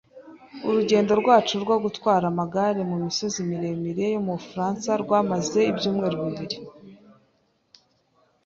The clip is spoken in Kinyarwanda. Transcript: Urugendo rwacu rwo gutwara amagare mu misozi miremire yo mu Bufaransa rwamaze ibyumweru bibiri.